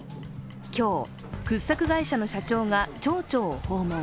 今日、掘削会社の社長が町長を訪問。